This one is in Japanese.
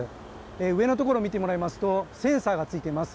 上のところを見てもらいますとセンサーがついています。